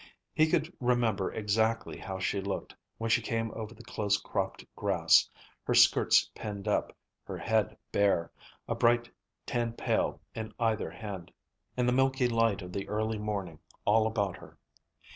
He could remember exactly how she looked when she came over the close cropped grass, her skirts pinned up, her head bare, a bright tin pail in either hand, and the milky light of the early morning all about her.